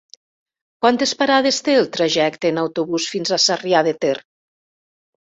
Quantes parades té el trajecte en autobús fins a Sarrià de Ter?